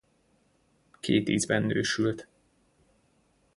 Két ízben nősült.